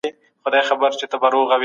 کمپيوټر بخاری چالانه کوي.